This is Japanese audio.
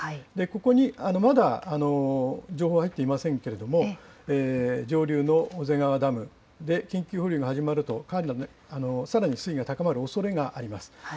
ここに、まだ情報入っていませんけれども、上流の小瀬川ダムで緊急放流が始まると、さらに水位が高まるおそれがあります。